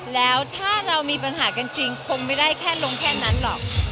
แล้วถ้าเรามีปัญหากันจริงคงไม่ได้แค่ลงแค่นั้นหรอก